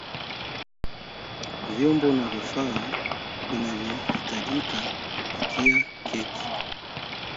Vyombo na vifaa vinavyahitajika kupika keki